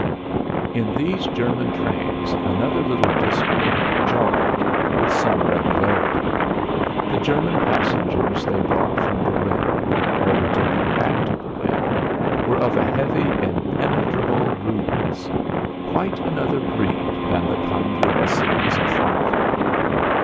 In these German trains another little discord jarred with some regularity: the German passengers they brought from Berlin, or were taking back to Berlin, were of a heavy impenetrable rudeness quite another breed than the kindly Hessians of Frankfurt.